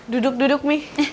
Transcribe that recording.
duduk duduk mi